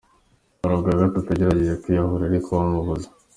Bwari ubwa gatatu agererageje kwiyahura ariko bamubuza.